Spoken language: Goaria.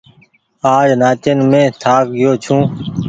آج نآچين مين ٿآڪ گيو ڇون۔